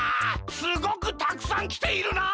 すごくたくさんきているな！